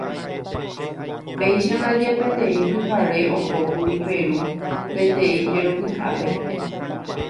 Péicha ndaje peteĩ pyhare ohókuri Peru peteĩ jerokyhápe.